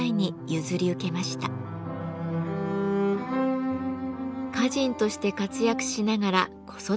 歌人として活躍しながら子育てにも奮闘。